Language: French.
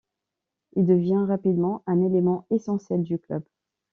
Il devient rapidement un élément essentiel du club.